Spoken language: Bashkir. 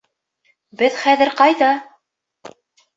Беҙ хәҙер ҡайҙа?